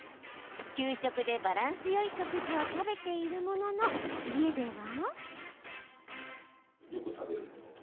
給食でバランスよい食事を食べているものの家では。